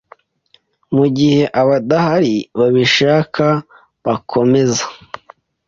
Mugihe abadahari babishaka bakomeza